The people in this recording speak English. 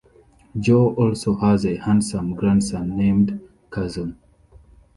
Joe also has a handsome grandson named Carson.